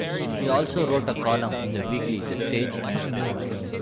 He also wrote a column in the weekly "The Stage" newspaper.